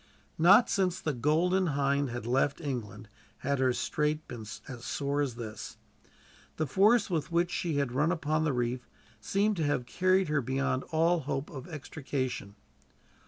Not since the Golden Hind had left England had her strait been as sore as this. The force with which she had run upon the reef seemed to have carried her beyond all hope of extrication.